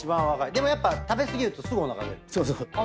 でも食べ過ぎるとすぐおなかに出る。